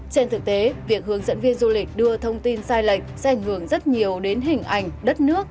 trên thực tế việc hướng dẫn viên du lịch đưa thông tin sai lệch sẽ ảnh hưởng rất nhiều đến hình ảnh đất nước